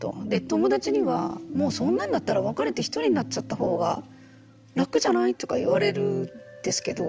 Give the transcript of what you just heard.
友達にはもうそんなんだったら別れて一人になっちゃったほうが楽じゃない？とか言われるんですけど。